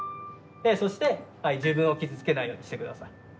でそして自分を傷つけないようにして下さい。